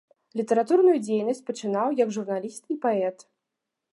Літаратурную дзейнасць пачынаў як журналіст і паэт.